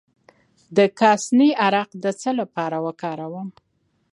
د کاسني عرق د څه لپاره وکاروم؟